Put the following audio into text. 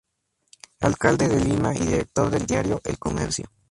Alcalde de Lima y director del diario "El Comercio".